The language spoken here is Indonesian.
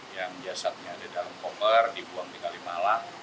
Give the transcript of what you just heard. yang jasadnya ada dalam koper dibuang tinggal di malam